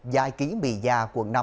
dài ký mì già quận năm